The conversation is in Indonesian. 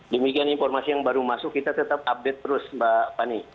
demikian informasi yang baru masuk kita tetap update terus mbak fani